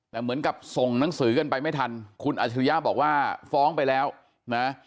แต่เหมือนกับส่งหนังสือกันไปไม่ทันคุณอัชริยะบอกว่าฟ้องไปแล้วนะ